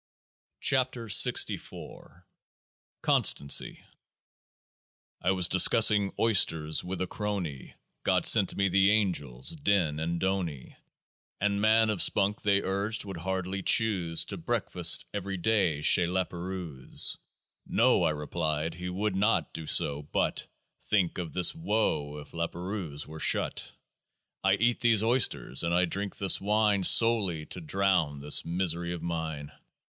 80 KE<t>AAH SA CONSTANCY I was discussing oysters with a crony : GOD sent to me the angels DIN and DONI. " An man of spunk," they urged, " would hardly choose To breakfast every day chez Laperouse." " No !" I replied, " he would not do so, BUT Think of his woe if Laperouse were shut !" I eat these oysters and I drink this wine Solely to drown this misery of mine.